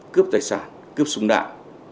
cướp tài sản cướp súng đạn